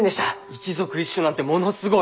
一属一種なんてものすごい！